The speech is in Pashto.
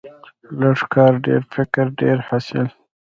لږ کار، ډیر فکر، ډیر حاصل.